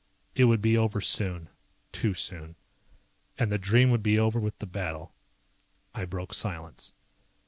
It would be over soon, too soon. And the dream would be over with the battle. I broke silence.